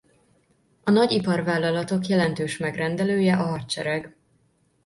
A nagy iparvállalatok jelentős megrendelője a hadsereg.